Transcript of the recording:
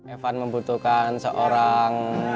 evan membutuhkan seorang